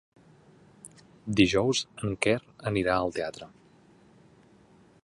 Dijous en Quer anirà al teatre.